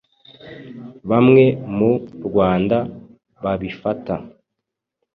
bamwe mu Rwanda babifata